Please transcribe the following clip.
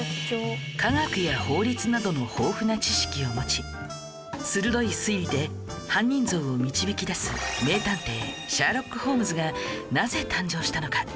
科学や法律などの豊富な知識を持ち鋭い推理で犯人像を導き出す名探偵シャーロック・ホームズがなぜ誕生したのか